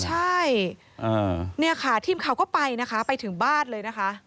ใช่เนี่ยค่ะทีมข่าวก็ไปนะคะไปถึงบ้านเลยนะคะ